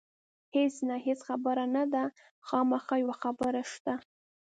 هېڅ نه، هېڅ خبره نه ده، نه، خامخا یوه خبره شته.